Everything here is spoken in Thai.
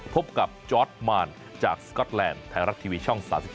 พบกับจอร์ดมานจากสก๊อตแลนด์ไทยรัฐทีวีช่อง๓๒